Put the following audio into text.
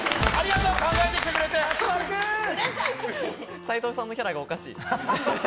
斉藤さんのキャラがおかしい。